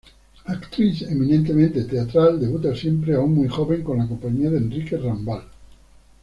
Actriz eminentemente teatral, debuta siendo aun muy joven con la compañía de Enrique Rambal.